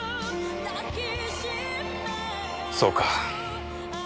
そうか。